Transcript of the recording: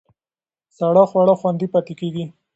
ساړه خواړه خوندي پاتې کېږي.